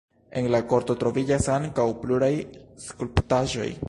En la korto troviĝas ankaŭ pluraj skulptaĵoj.